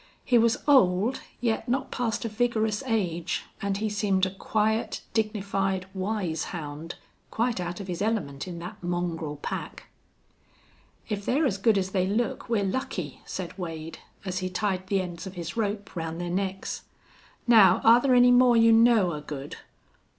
He was old, yet not past a vigorous age, and he seemed a quiet, dignified, wise hound, quite out of his element in that mongrel pack. "If they're as good as they look we're lucky," said Wade, as he tied the ends of his rope round their necks. "Now are there any more you know are good?"